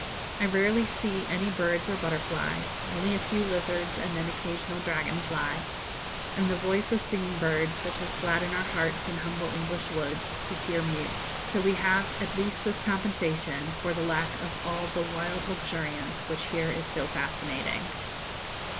I rarely see any birds or butterflies, only a few lizards and an occasional dragon fly; and the voice of singing birds, such as gladden our hearts in humble English woods, is here mute; so we have at least this compensation for the lack of all the wild luxuriance which here is so fascinating."